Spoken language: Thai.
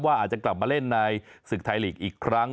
อาจจะกลับมาเล่นในศึกไทยลีกอีกครั้ง